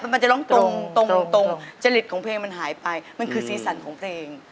มันจะร้องตรงตรงจริตของเพลงมันหายไปมันคือสีสันของเพลง